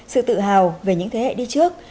sự tự hào về những thế hệ đi trước